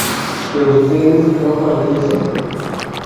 ¿que ustedes no partiesen?